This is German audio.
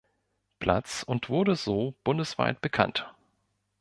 Platz und wurde so bundesweit bekannt.